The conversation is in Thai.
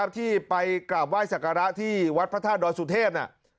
ที่ไปกราบไหว้สักการะที่วัดพระธาตุดอยสุเทพ